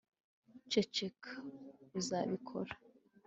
ceceka, uzabikora